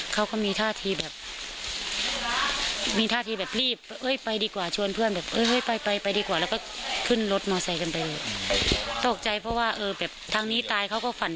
เขาว่าชื่อเดียวกัน